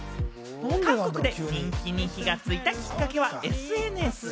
韓国で人気に火がついたきっかけはＳＮＳ。